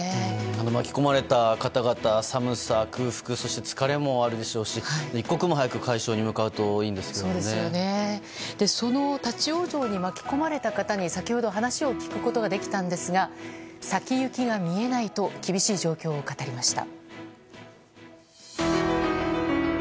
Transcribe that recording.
巻き込まれた方々寒さ、空腹そして、疲れもあるでしょうし一刻も早く解消に向かうとその立ち往生に巻き込まれた方に先ほど話を聞くことができたんですが先行きが見えないと厳しい状況を語りました。